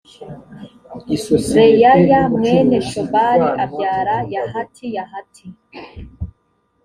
reyaya mwene shobali abyara yahati yahati